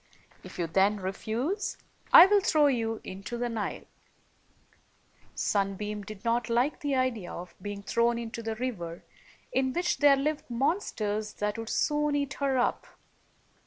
If you then refuse, I will throw you into the Nile/' Sunbeam did not like the idea of being thrown into the river, in which there lived monsters that 102 would soon eat her up.